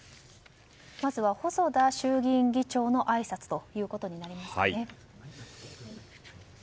まずは細田衆議院議長のあいさつとなりますね。